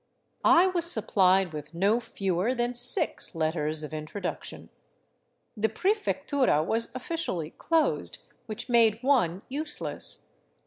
I was supplied with no fewer than six letters of introduction. The Prefectura was officially closed, which made one useless.